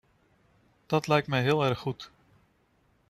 Dat lijkt me heel erg goed.